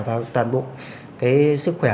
và toàn bộ cái sức khỏe